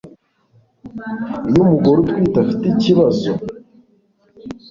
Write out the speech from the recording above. iyo umugore utwite afite ikibazo